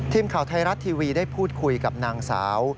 ทีมข่าวไทยรัฐทีวีได้พูดคุยกับนางสาว